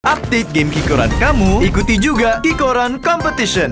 update game kikoran kamu ikuti juga kikoran competition